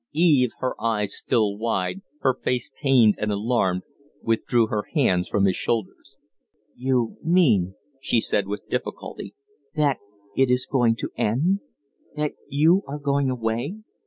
Eve her eyes still wide, her face pained and alarmed withdrew her hands from his shoulders. "You mean," she said, with difficulty, "that it is going to end? That you are going away?